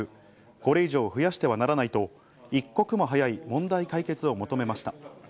これ以上増やしてはならないと、一刻も早い問題解決を求めました。